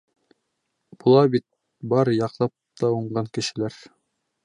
Була бит бар яҡлап та уңған кешеләр!